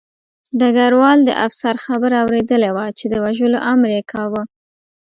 ډګروال د افسر خبره اورېدلې وه چې د وژلو امر یې کاوه